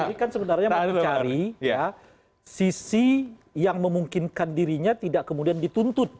tapi kan sebenarnya mencari sisi yang memungkinkan dirinya tidak kemudian dituntut